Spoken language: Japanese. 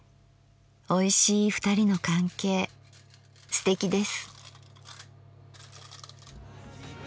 おいしい２人の関係すてきです。